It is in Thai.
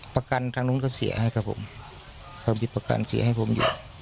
ประกันทางนู้นก็เสียให้ครับผมเขามีประกันเสียให้ผมอยู่